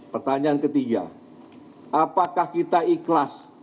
pertanyaan ketiga apakah kita ikhlas